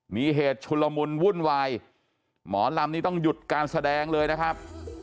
มีเหตุชุลมุนวุ่นวายหมอลำนี้ต้องหยุดการแสดงเลยนะครับ